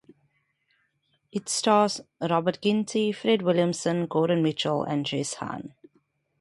It stars Robert Ginty, Fred Williamson, Gordon Mitchell and Jess Hahn.